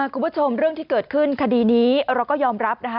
เรื่องที่เกิดขึ้นคดีนี้เราก็ยอมรับนะคะ